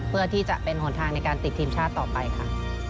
เพื่อที่จะเป็นหนทางในการติดทีมชาติต่อไปค่ะ